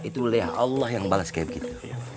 itu wilayah allah yang bales kayak begitu